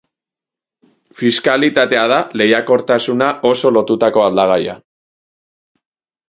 Fiskalitatea da lehiakortasuna oso lotutako aldagaia.